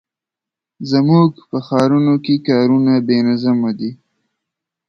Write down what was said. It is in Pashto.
زموږ په ښارونو کې کارونه بې نظمه دي.